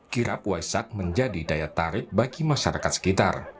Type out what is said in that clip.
kirap waisak menjadi daya tarik bagi masyarakat sekitar